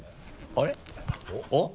あれ？